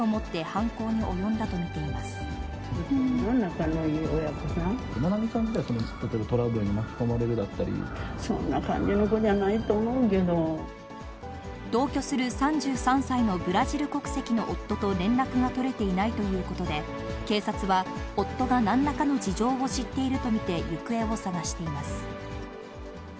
愛美さんは例えばトラブルにそんな感じの子じゃないと思同居する３３歳のブラジル国籍の夫と連絡が取れていないということで、警察は、夫がなんらかの事情を知っていると見て、行方を捜しています。